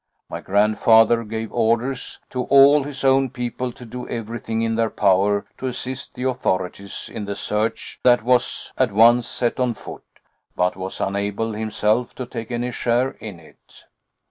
My grandfather gave orders to all his own people to do everything in their power to assist the authorities in the search that was at once set on foot, but was unable himself to take any share in it.